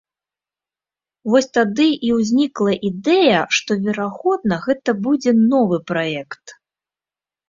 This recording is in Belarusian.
Вось тады і ўзнікла ідэя, што, верагодна, гэта будзе новы праект.